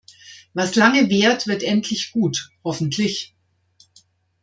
Was lange währt, wird endlich gut, hoffentlich!